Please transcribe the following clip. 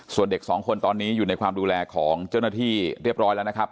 ส่วนเด็กสองคนตอนนี้อยู่ในความดูแลของเจ้าหน้าที่เรียบร้อยแล้วนะครับ